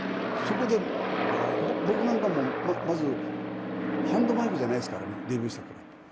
そこで僕なんかもまずハンドマイクじゃないですからねデビューした頃は。